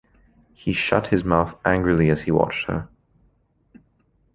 He shut his mouth angrily as he watched her.